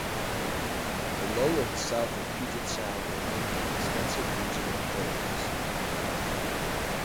The lowlands south of Puget Sound were home to an extensive region of prairies.